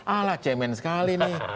alah cemen sekali nih